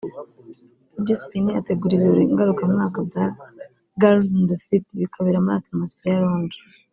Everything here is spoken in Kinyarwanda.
Vj Spinny ategura ibirori ngarukacyumweru bya “Girls in the city” bikabera muri Atmosphere Lounge